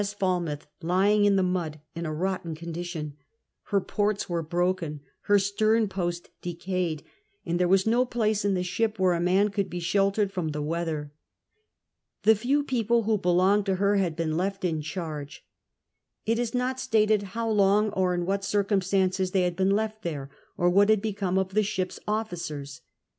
S. Falrrmth lying in the mud in a rotten condition; her ports were broken, her stern post decayed, and there was no place in the ship where a man could be sheltered from the weather. The few people who belonged to her had been left in charge. It is not stated how long, or in what circumstances they had been left there, oi wh&t had hecomc oi the ship's o&cers.